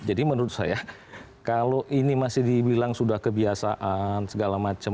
jadi menurut saya kalau ini masih dibilang sudah kebiasaan segala macam